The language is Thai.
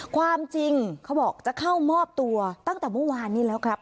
ความจริงเขาบอกจะเข้ามอบตัวตั้งแต่เมื่อวานนี้แล้วครับ